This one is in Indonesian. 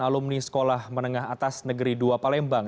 alumni sekolah menengah atas negeri dua palembang